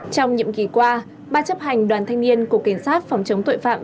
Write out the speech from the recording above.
trong nhiệm kỳ qua ba chấp hành đoàn thanh niên cục kiểm sát phòng chống tội phạm